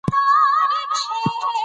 تر دې چې په ورورستۍ مرحله کښې